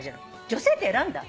女性って選んだ？